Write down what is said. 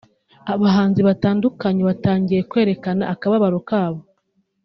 abahanzi batandukanye batangiye kwerekana akababaro kabo